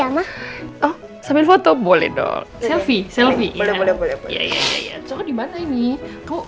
awas adik adik perut kamu